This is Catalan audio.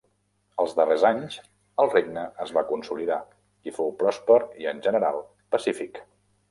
Als darrers anys el regne es va consolidar i fou pròsper i en general pacífic.